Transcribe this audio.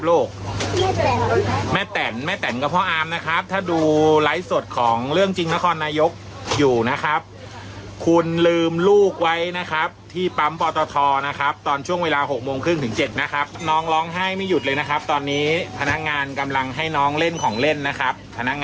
เล่นของเล่นอยู่นะครับช่วยแชร์ออกไปหน่อยนะครับ